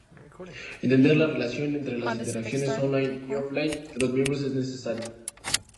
Entender la relación entre las interacciones online y offline de los miembros es necesario.